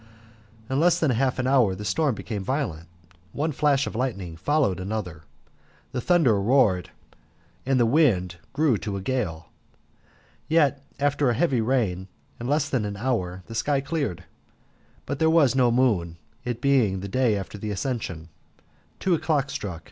In less than half an hour the storm became violent, one flash of lightning followed another, the thunder roared, and the wind grew to a gale. Yet after a heavy rain, in less than an hour, the sky cleared, but there was no moon, it being the day after the Ascension. Two o'clock stuck.